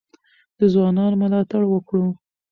د ځوانانو ملاتړ وکړو.